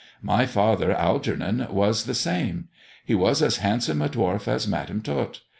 My father, Algernon, was the same. He was as handsome a dwarf as Madam Tot.